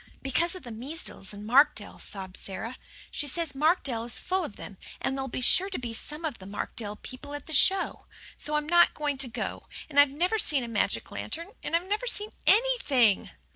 "Because of the measles in Markdale," sobbed Sara. "She says Markdale is full of them, and there'll be sure to be some of the Markdale people at the show. So I'm not to go. And I've never seen a magic lantern I've never seen ANYTHING."